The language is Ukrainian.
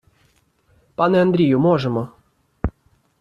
Пане Андрію, можемо.